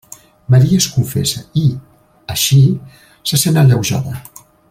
Maria es confessa i, així, se sent alleujada.